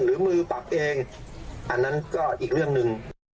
หรือมือปรับเองอันนั้นก็อีกเรื่องหนึ่ง